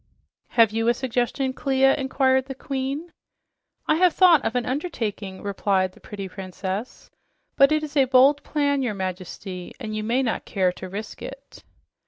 "Have you a suggestion, Clia?" inquired the Queen. "I have thought of an undertaking," replied the pretty princess, "but it is a bold plan, your Majesty, and you may not care to risk it."